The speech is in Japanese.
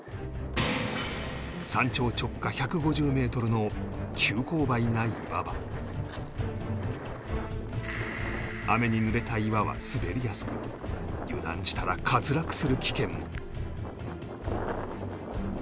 山頂直下１５０メートルの雨に濡れた岩は滑りやすく油断したら滑落する危険も